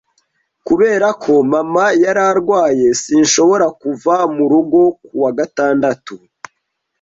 Kubera ko mama yari arwaye, sinshobora kuva mu rugo ku wa gatandatu.